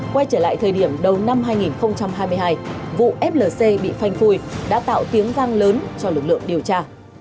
quay trở lại thời điểm đầu năm hai nghìn hai mươi hai vụ flc bị phanh phui đã tạo tiếng vang lớn cho lực lượng điều tra